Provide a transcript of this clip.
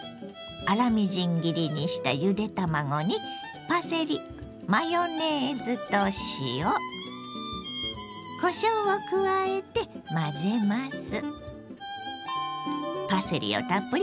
粗みじん切りにしたゆで卵にパセリマヨネーズと塩こしょうを加えて混ぜます。